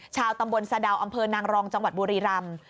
ชาวตำบลสะดาวอำเภอนางรองจังหวัดบุรีรำ